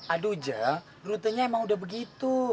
aduh ja rutenya emang udah begitu